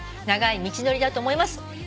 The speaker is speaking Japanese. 「長い道のりだと思います」